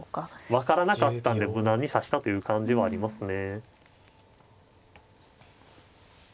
分からなかったんで無難に指したという感じもありますね。